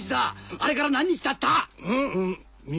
あれから何日たった⁉み